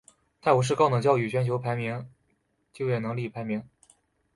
泰晤士高等教育全球大学就业能力排名。